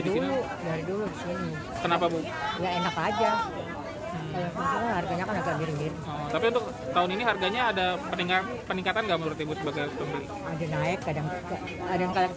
dulu dulu kenapa enak aja tapi untuk tahun ini harganya ada peningkatan peningkatan